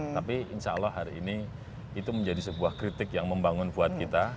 tapi insya allah hari ini itu menjadi sebuah kritik yang membangun buat kita